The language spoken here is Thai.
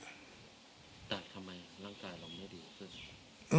แต่ทำไมร่างกายเราไม่ดีขึ้น